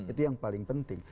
itu yang paling penting